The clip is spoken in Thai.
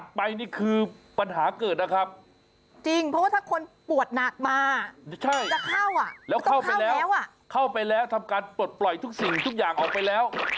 ใช่แล้วเข้าไปแล้วทำการปลดปล่อยทุกสิ่งทุกอย่างออกไปแล้วมันเข้าไปแล้วทำการปลดปล่อยทุกสิ่งทุกอย่างออกไปแล้ว